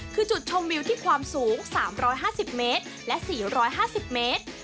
คือจุดชมวิวที่ความสูง๓๕๐เมตรและ๔๕๐เมตร